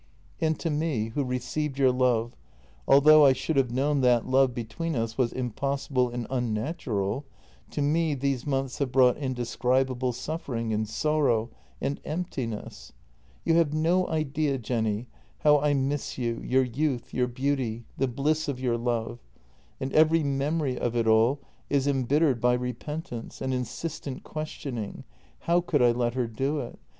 And to me, who received your love, although I should have known that love between us was impossible and unnatural, to me these months have brought indescribable suffering and sor row and — emptiness. You have no idea, Jenny, how I miss you, your youth, your beauty, the bliss of your love; and every memory of it all is embittered by repentance, an insistent ques tioning : How could I let her do it ?